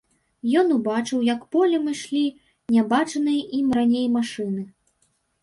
Ён убачыў, як полем ішлі не бачаныя ім раней машыны.